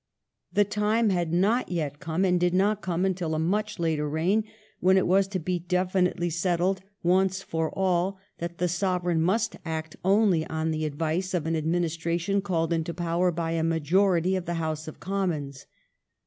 The time had not yet come, and did not come until a much later reign, when it was to be definitely settled once for all that the Sovereign must act only on the advice of an administration called into power by a majority of the House of Commons.